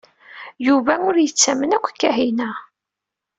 Yuba ur yettamen akk Kahina.